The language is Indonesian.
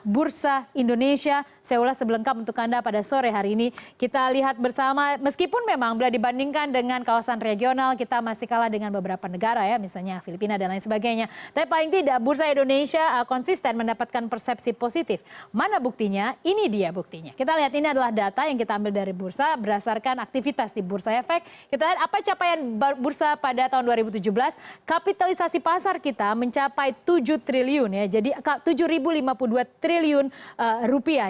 bursa efek indonesia mencapai tujuh lima puluh dua triliun rupiah